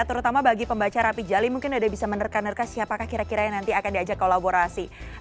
terutama bagi pembaca rapi jali mungkin ada bisa menerka nerka siapakah kira kira yang nanti akan diajak kolaborasi